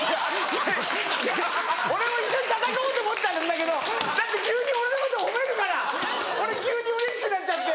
俺も一緒に戦おうと思ってたんだけどだって急に俺のこと褒めるから俺急にうれしくなっちゃって。